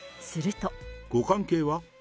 ご関係は？